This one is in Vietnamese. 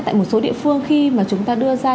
tại một số địa phương khi mà chúng ta đưa ra